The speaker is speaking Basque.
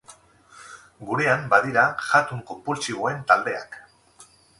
Gurean badira jatun konpultsiboen taldeak.